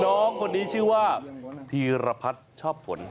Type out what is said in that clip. น้องคนนี้ชื่อว่าธีรพัฒน์ชอบผล